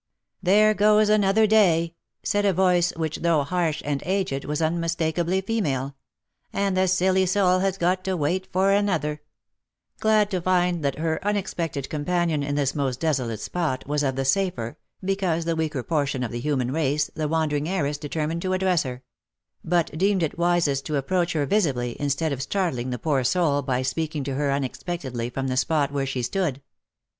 " There goes another day !" said a voice, which though harsh and aged, was unmistakably female; " and the silly soul has got to wait for another." '////// OF MICHAEL ARMSTRONG. 267 Glad to find that her unexpected companion in this most desolate spot, was of the safer, because the weaker portion of the human race, the wandering heiress determined to address her ; but deemed it wisest to approach her visibly, instead of startling the poor soul by speaking to her unexpectedly from the spot where she stood.